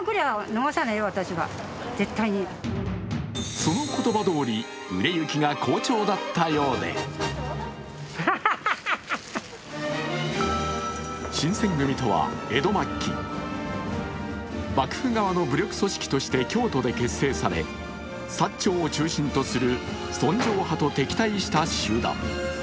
その言葉どおり、売れ行きが好調だったようで新選組とは江戸末期、幕府側の武力組織として京都で結成され薩長を中心とする尊攘派と敵対した集団。